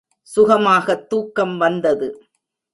சுகமாகத் தூக்கம் வந்தது.